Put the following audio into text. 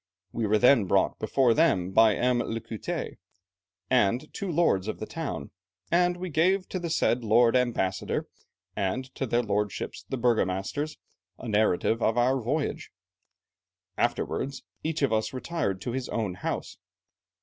We were then brought before them by M. l'Écoutets and two lords of the town, and we gave to the said lord Ambassador, and to their lordships the burgomasters, a narrative of our voyage. Afterwards each of us retired to his own house.